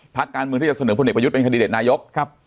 พักการมึงที่จะเสนอพวกเหน็จประยุทธ์เป็นคดีรตินายก